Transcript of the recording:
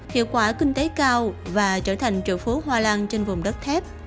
hiệu quả kinh tế cao và trở thành trợ phú hoa lan trên vùng đất thép